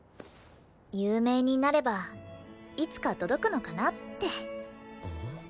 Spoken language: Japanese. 有名になればいつか届くのかなって。